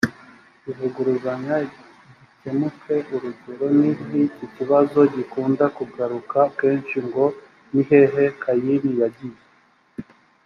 bivuguruzanya gikemuke urugero ni nk iki kibazo gikunda kugaruka kenshi ngo ni hehe kayini yagiye